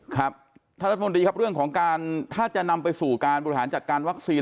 ครับท่านรัฐมนตรีครับถ้าจะนำไปสู่การบุหารจัดการวัคซีน